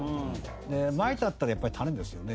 「蒔いた」っていったらやっぱり種ですよね。